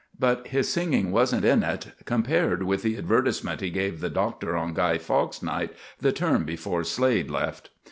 But his singing wasn't in it compared with the advertisement he gave the Doctor on Guy Fawkes's Night the term before Slade left.